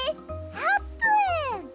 あーぷん！